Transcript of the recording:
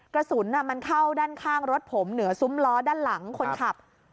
กระสุนมันเข้าด้านข้างรถผมเหนือซุ้มล้อด้านหลังคนขับ